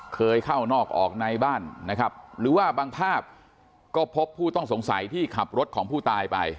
เคยเข้านอกออกในบ้านนะครับหรือว่าบางภาพก็พบผู้ต้องสงสัยที่ขับรถของผู้ตายไป